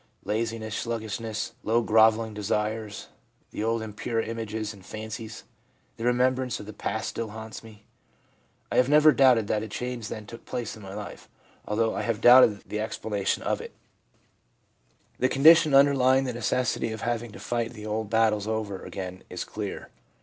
Laziness, sluggishness, low grovelling desires, the old impure images and fancies, the remembrance of the past still haunts me. I have never doubted that a change then took place in my life, although I have doubted the. explanation of it/ The 362 THE PSYCHOLOGY OF RELIGION condition underlying the necessity of having to fight the old battles over again is clear.